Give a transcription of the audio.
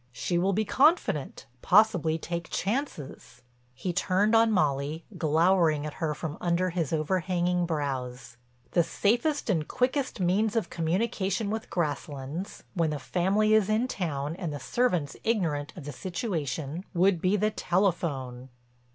She will be confident, possibly take chances." He turned on Molly, glowering at her from under his overhanging brows. "The safest and quickest means of communication with Grasslands, when the family is in town and the servants ignorant of the situation, would be the telephone."